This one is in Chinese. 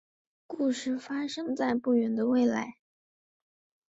故事发生在不远的未来。